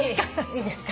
いいですか？